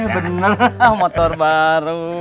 benar motor baru